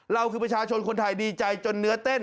เราคือประชาชนคนไทยดีใจจนเนื้อเต้น